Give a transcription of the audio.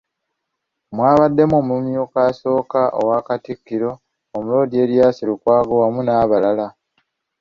Mwabaddemu omumyuka asooka owa Katikkiro, Omuloodi Erias Lukwago awamu n'abalala.